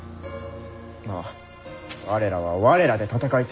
まあ我らは我らで戦い続けるのみ。